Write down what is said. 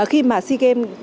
khi mà sea game ba mươi một